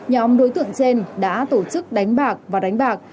nhóm đối tượng trên đã tổ chức đánh bạc và đánh bạc